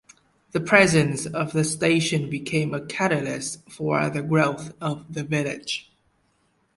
The presence of the station became a catalyst for the growth of the village.